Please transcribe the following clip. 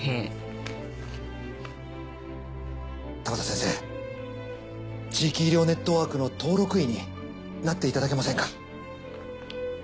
田端先生地域医療ネットワークの登録医になっていただけませんか？